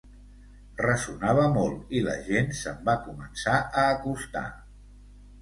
Ressonava molt i la gent se’m va començar a acostar.